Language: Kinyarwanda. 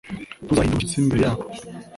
ntuzahinde umushyitsi imbere yabo,